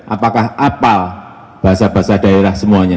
apakah apal bahasa bahasa daerah semuanya